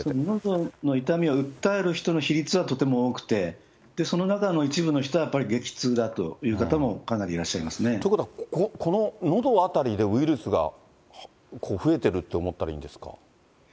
のどの痛みを訴える人の比率はとても多くて、その中の一部の人は、やっぱり激痛だという方もかなりいらっしゃということは、こののど辺りでウイルスが増えてると思ったらいいんですか。